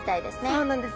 そうなんです。